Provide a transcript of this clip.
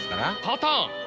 パターン！